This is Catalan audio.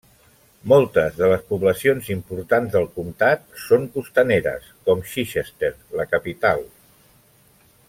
Moltes de les poblacions importants del comtat són costaneres, com Chichester, la capital.